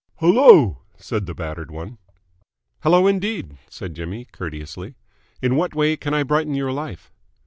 "Hello!" said the battered one. "Hello indeed!" said Jimmy courteously. "In what way can I brighten your life?"